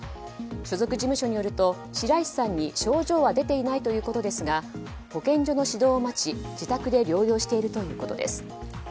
所属事務所によると、白石さんに症状は出ていないということですが保健所の指導を待ち、自宅で療養しているということです。